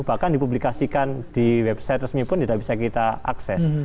bahkan dipublikasikan di website resmi pun tidak bisa kita akses